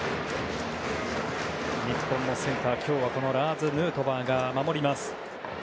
日本のセンター、今日はラーズ・ヌートバーが守ります。